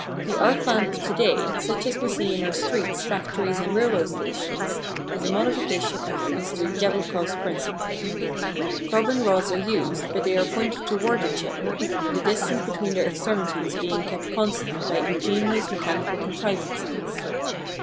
The arc lamp of to day, such as we see in our streets, factories, and railway stations, is a modification of M. Jablochkoff's principle. Carbon rods are used, but they are pointed towards each other, the distance between their extremities being kept constant by ingenious mechanical contrivances.